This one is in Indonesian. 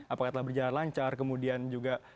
apakah telah berjalan lancar kemudian juga